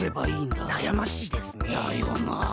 だよな。